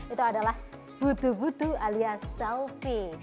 itu adalah butuh butuh alias selfie